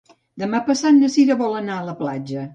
Demà passat na Sira vol anar a la platja.